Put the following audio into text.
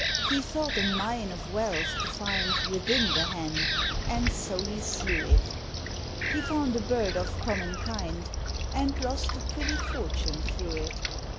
He thought a mine of wealth to find Within the Hen, and so he slew it: He found a bird of common kind And lost a pretty fortune through it.